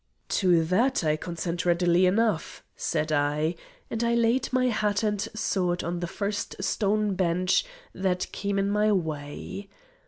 "To that I consent readily enough," said I, and I laid my hat and sword on the first stone bench that came in my way.